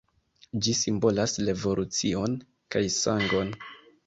Ĝi simbolas revolucion kaj sangon.